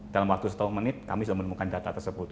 dalam waktu setengah menit kami sudah menemukan data tersebut